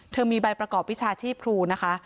มีใบประกอบวิชาชีพครูนะคะ